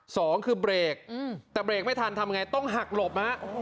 สองคือเบรกแต่เบรกไม่ทันทำยังไงต้องหักหลบฮะ